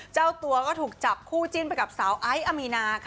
เจ้าตัวก็ถูกจับคู่จิ้นไปกับสาวไอ้อมีนาค่ะ